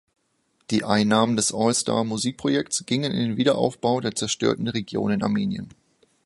Die Einnahmen des All-Star-Musik-Projekts gingen in den Wiederaufbau der zerstörten Region in Armenien.